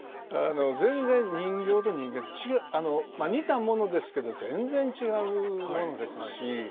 全然人間と人形て違う似たものですけど全然違うものですし。